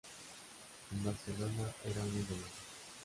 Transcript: En Barcelona era un ídolo.